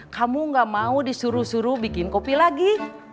kamu gak mau disuruh suruh bikin kopi lagi